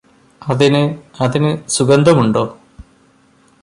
അതിന് അതിന് സുഗന്ധമുണ്ടോ